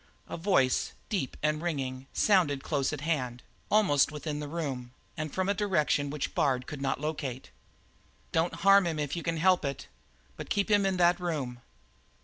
A voice, deep and ringing, sounded close at hand, almost within the room, and from a direction which Bard could not locate. "Don't harm him if you can help it. But keep him in that room!"